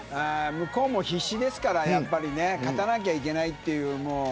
向こうも必死ですから勝たなきゃいけないという。